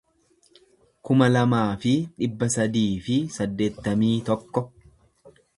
kuma lamaa fi dhibba sadii fi saddeettamii tokko